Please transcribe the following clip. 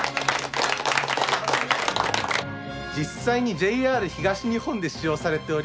実際にＪＲ東日本で使用されております